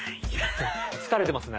疲れてますね。